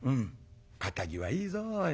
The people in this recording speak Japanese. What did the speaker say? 堅気はいいぞおい。